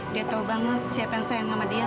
dia tahu banget siapa yang sayang sama dia